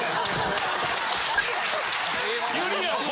ゆりやん他。